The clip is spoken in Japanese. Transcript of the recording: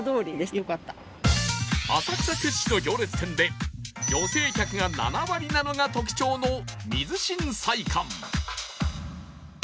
浅草屈指の行列店で女性客が７割なのが特徴の水新菜館